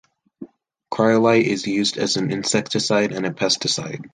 Cryolite is used as an insecticide and a pesticide.